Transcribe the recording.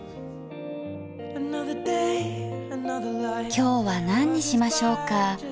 今日は何にしましょうか？